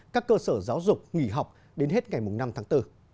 các cơ sở giáo dục nghỉ học đến hết ngày năm tháng bốn